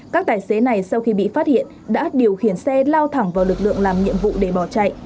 các tài xế này sau khi bị phát hiện đã điều khiển xe lao thẳng vào lực lượng làm nhiệm vụ để bỏ chạy